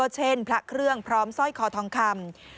เช่นพระเครื่องพร้อมสร้อยคอทองคำ